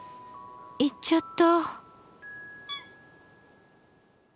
行っちゃった。